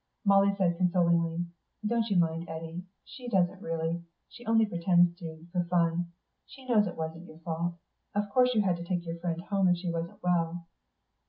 Molly said consolingly, "Don't you mind, Eddy. She doesn't really. She only pretends to, for fun. She knows it wasn't your fault. Of course you had to take your friend home if she wasn't well."